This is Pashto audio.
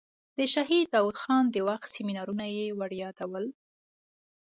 د شهید داود خان د وخت سیمینارونه یې وریادول.